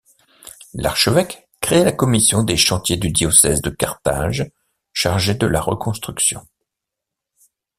L’archevêque crée la commission des chantiers du diocèse de Carthage chargée de la reconstruction.